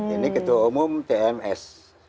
ini ketua umum tms